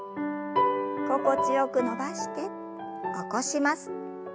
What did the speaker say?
心地よく伸ばして起こします。